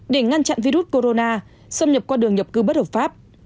để ngăn chặn virus corona xâm nhập qua đường nhập cư bất hợp pháp